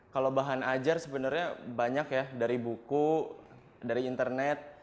kalau bahan ajar sebenarnya banyak ya dari buku dari internet